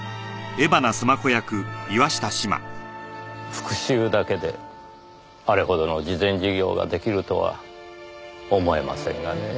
復讐だけであれほどの慈善事業が出来るとは思えませんがねぇ。